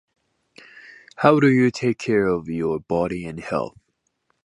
How do you take care of your body and health?